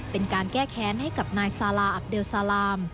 เป็นการแก้แค้นให้กับนายซาลาอับเลซาลาม